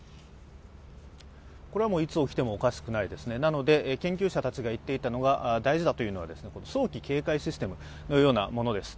これはいつ起きてもおかしくないですね、なので、研究者たちが大事だというのは、早期警戒システムのようなものです。